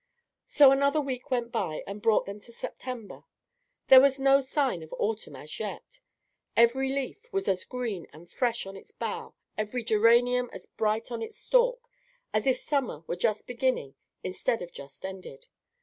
So another week went by, and brought them to September. There was no sign of autumn as yet. Every leaf was as green and fresh on its bough, every geranium as bright on its stalk, as if summer were just beginning instead of just ended.